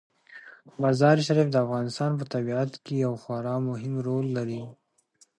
مزارشریف د افغانستان په طبیعت کې یو خورا مهم رول لري.